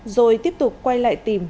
rồi tiếp tục quay lại tìm